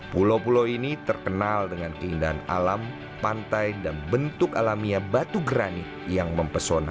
pulau pulau ini terkenal dengan keindahan alam pantai dan bentuk alamiah batu granit yang mempesona